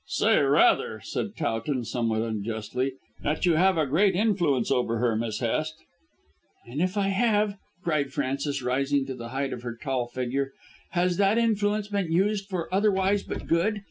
"Say rather," said Towton, somewhat unjustly, "that you have a great influence over her, Miss Hest." "And if I have," cried Frances, rising to the height of her tall figure, "has that influence been used for otherwise but good?